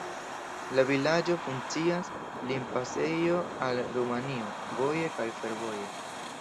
La vilaĝo funkcias limpasejo al Rumanio voje kaj fervoje.